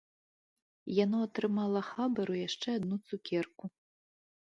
Яно атрымала хабару яшчэ адну цукерку.